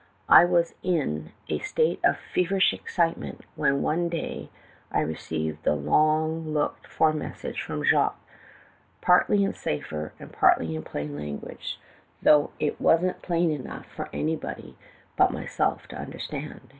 I was in a state of feverish excitement, when one day I received the long looked for message from Jacques, partly in cipher and partly in plain language, though it wasn't plain enough for anybody but myself to understand.